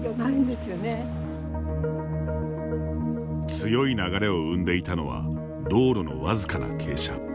強い流れを生んでいたのは道路のわずかな傾斜。